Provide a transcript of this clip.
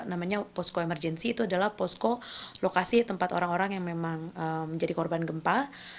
namanya posko emergensi itu adalah posko lokasi tempat orang orang yang memang menjadi korban gempa